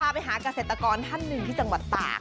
เราไปหากาเศรษฐกรท่านหนึ่งที่สังหวัดตาก